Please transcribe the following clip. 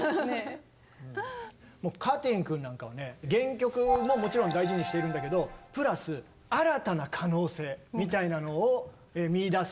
かてぃん君なんかはね原曲ももちろん大事にしてるんだけどプラス新たな可能性みたいなのを見いだすっていうね。